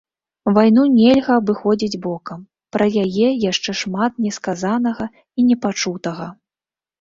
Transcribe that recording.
Вайну нельга абыходзіць бокам, пра яе яшчэ шмат не сказанага і не пачутага.